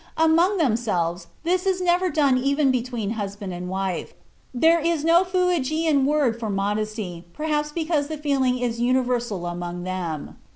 Among themselves this is never done even between husband and wife. There is no Fuegian word for modesty, perhaps because the feeling is universal among them."